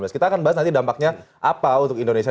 kita akan bahas nanti dampaknya apa untuk indonesia